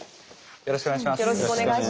よろしくお願いします。